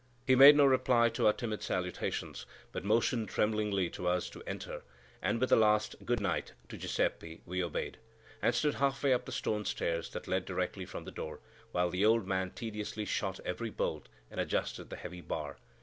He made no reply to our timid salutations, but motioned tremblingly to us to enter; and with a last "good night" to Giuseppe we obeyed, and stood half way up the stone stairs that led directly from the door, while the old man tediously shot every bolt and adjusted the heavy bar.